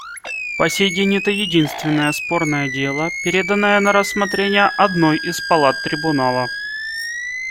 По сей день это единственное спорное дело, переданное на рассмотрение одной из палат Трибунала.